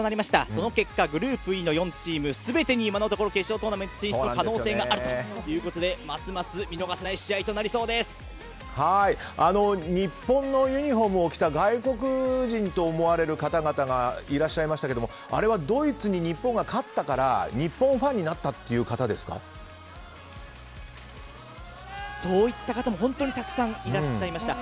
その結果グループＥの４チーム全てに今のところ決勝トーナメント可能性があるということでますます見逃せない試合と日本のユニホームを着た外国人と思われる方々がいらっしゃいましたけどあれはドイツが日本に勝ったから日本ファンになったというそういった方も本当にたくさんいらっしゃいました。